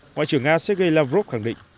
ngoại trưởng nga sergei lavrov khẳng định